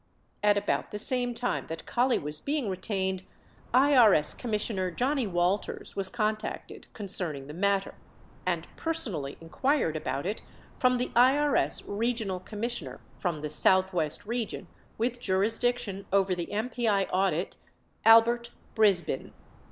At about the same time that Collie was being retained, IRS Com missioner Johnnie Walters was contacted concerning the matter and personally inquired about it from the IRS regional commissioner from the Southwest region with jurisdiction over the MPI audit, Albert Brisbin.